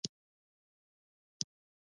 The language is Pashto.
د پولادو د تولید دوې سترې څېرې یو ځای شوې